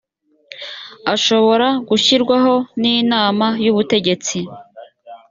ashobora gushyirwaho n inama y ubutegetsi